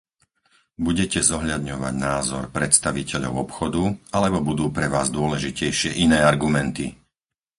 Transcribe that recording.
Budete zohľadňovať názor predstaviteľov obchodu, alebo budú pre vás dôležitejšie iné argumenty?